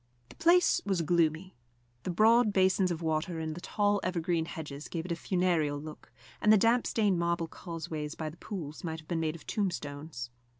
The place was gloomy. The broad basins of water and the tall evergreen hedges gave it a funereal look, and the damp stained marble causeways by the pools might have been made of tombstones.